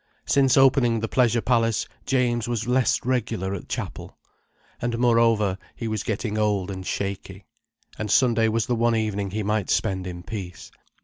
Since opening the Pleasure Palace James was less regular at Chapel. And moreover, he was getting old and shaky, and Sunday was the one evening he might spend in peace.